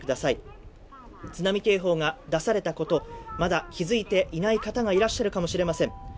津波警報が出されたこと、まだ気づいていない方がいらっしゃるかもしれません。